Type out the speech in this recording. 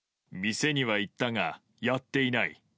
店には行ったがやっていない。